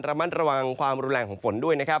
ระมัดระวังความรุนแรงของฝนด้วยนะครับ